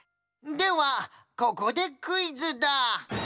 ではここでクイズだ！